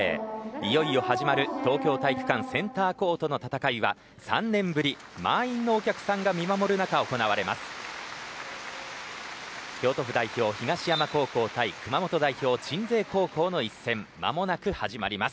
いよいよ始まる東京体育館センターコートの戦いは３年ぶり満員のお客さんが見守る中で行われます。